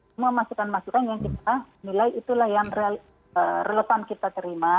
semua masukan masukan yang kita nilai itulah yang relevan kita terima